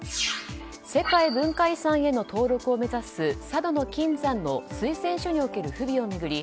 世界文化遺産への登録を目指す佐渡島の金山の推薦書における不備を巡り